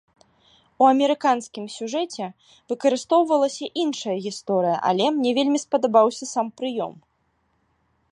У амерыканскім сюжэце выкарыстоўвалася іншая гісторыя, але мне вельмі спадабаўся сам прыём.